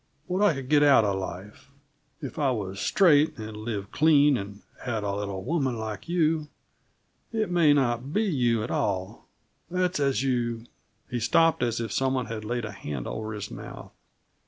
What I could get out of life, if I was straight and lived clean, and had a little woman like you. It may not be you at all; that's as you " He stopped as if some one had laid a hand over his mouth.